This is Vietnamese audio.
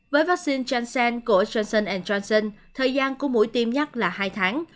với vaccine transent của johnson johnson thời gian của mũi tiêm nhắc là hai tháng